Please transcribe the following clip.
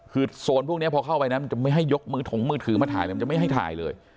คือโซนพวกนี้พอเข้าไปนะมันจะไม่ให้ยกมือถงมือถือมาถ่ายมันจะไม่ให้ถ่ายเลย